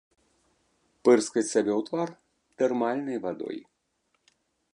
Пырскаць сабе ў твар тэрмальнай вадой.